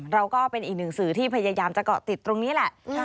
ก็เป็นอีกหนึ่งสื่อที่พยายามจะเกาะติดตรงนี้แหละ